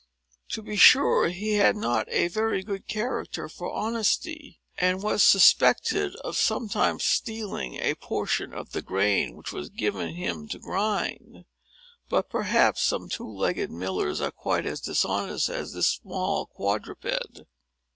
To be sure, he had not a very good character for honesty, and was suspected of sometimes stealing a portion of the grain which was given him to grind. But perhaps some two legged millers are quite as dishonest as this small quadruped.